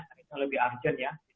karena itu lebih urgent ya